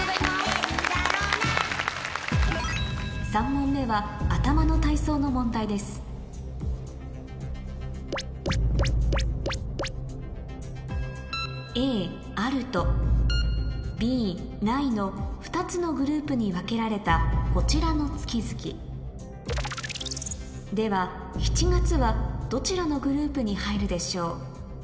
３問目はの問題です「Ａある」と「Ｂない」の２つのグループに分けられたこちらの月々では７月はどちらのグループに入るでしょう？